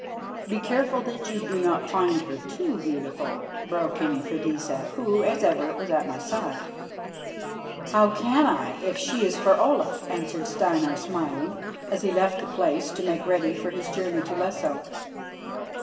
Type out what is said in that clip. "Be careful that you do not find her too beautiful," broke in Freydisa, who, as ever, was at my side. "How can I if she is for Olaf?" answered Steinar, smiling, as he left the place to make ready for his journey to Lesso.